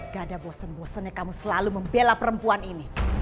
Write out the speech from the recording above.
gak ada bosen bosennya kamu selalu membela perempuan ini